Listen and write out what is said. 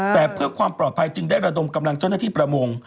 แต่เพื่อความปลอดภัยจึงได้ระดมกำลังเจ้าหน้าที่ประมง